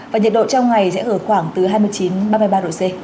và nhiệt độ trong ngày sẽ ở khoảng từ hai mươi chín ba mươi ba độ c